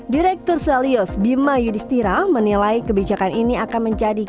direktur salius bima yudhistira menilai kebijakan ini akan menjadi